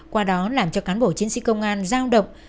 qua đó làm cho cán bộ chiến sĩ công an giao động